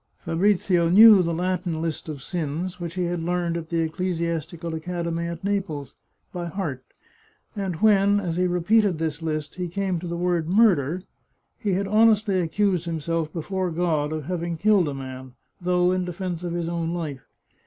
Fabrizio knew the Latin list of sins, which he had learned at the Ecclesias tical Academy at Naples, by heart, and when, as he re peated this list, he came to the word " Murder," he had honestly accused himself before God of having killed a man, though in defence of his own life.